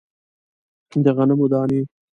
د غنمو دانې